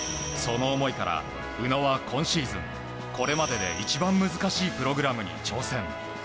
その思いから宇野は今シーズンこれまでで一番難しいプログラムに挑戦。